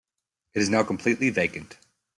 It is now completely vacant.